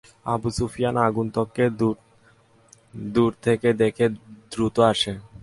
আবু সুফিয়ান আগন্তককে দূর থেকে দেখে দ্রুত আসে।